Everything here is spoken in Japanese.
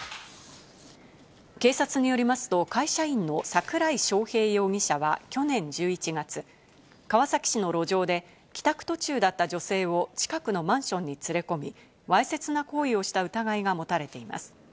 警察によりますと、会社員の桜井翔平容疑者は去年１１月、川崎市の路上で帰宅途中だった女性を近くのマンションに連れ込み、わいせつな行為をした疑いが持たれています。